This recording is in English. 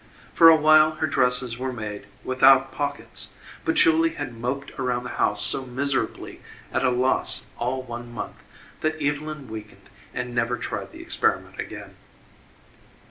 For a while her dresses were made without pockets, but Julie had moped around the house so miserably at a loss all one month that Evylyn weakened and never tried the experiment again.